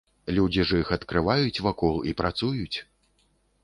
Людзі ж іх адкрываюць вакол і працуюць.